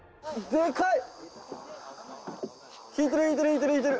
でかい！